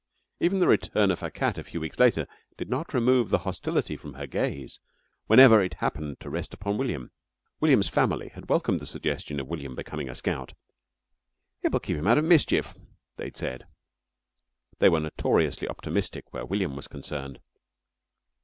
Even the return of her cat a few weeks later did not remove the hostility from her gaze whenever it happened to rest upon William. William's family had welcomed the suggestion of William's becoming a scout. "It will keep him out of mischief," they had said. They were notoriously optimistic where William was concerned.